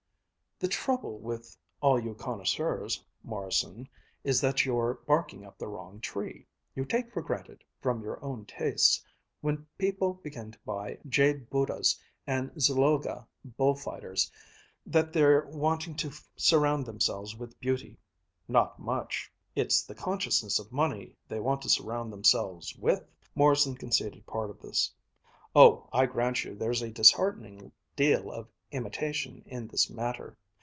" the trouble with all you connoisseurs, Morrison, is that you're barking up the wrong tree. You take for granted, from your own tastes, when people begin to buy jade Buddhas and Zuloaga bull fighters that they're wanting to surround themselves with beauty. Not much! It's the consciousness of money they want to surround themselves with!" Morrison conceded part of this. "Oh, I grant you, there's a disheartening deal of imitation in this matter.